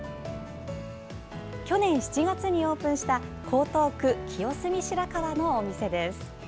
去年７月にオープンした江東区清澄白河のお店です。